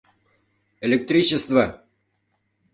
Электричество!